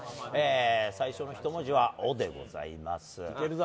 最初の１文字は「お」でございます。